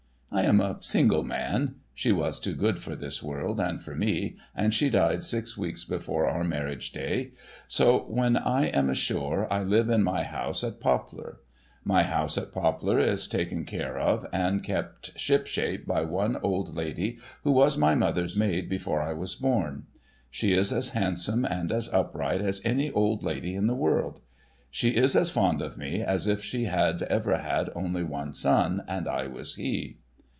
I am a single man (she was too good for this world and for me, and she died six weeks before our marriage duy), so when I am ashore, I live in my house at Poplar. My house at Poplar is taken care of and kept ship shape by an old lady who was my mother's maid before I was born. She is as handsome and as upright as any old lady in the world. She is as fond of me as if she had ever had an only son, and I was he.